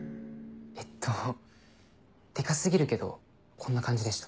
えっとデカ過ぎるけどこんな感じでした。